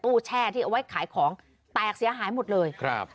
แช่ที่เอาไว้ขายของแตกเสียหายหมดเลยครับ